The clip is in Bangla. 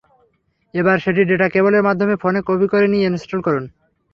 এবার সেটি ডেটা কেবলের মাধ্যমে ফোনে কপি করে নিয়ে ইনস্টল করুন।